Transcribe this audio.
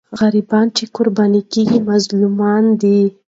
غریبان چې قرباني کېږي، مظلومان دي.